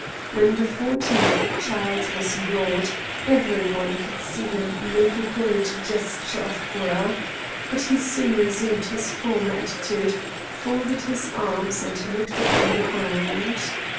When the fourteenth child was brought every one could see him make a great gesture of horror. But he soon resumed his former attitude, folded his arms, and looked upon the ground.